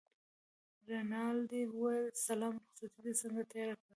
رینالډي وویل سلام رخصتې دې څنګه تېره کړه.